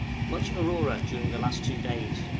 Much aurora during the last two days.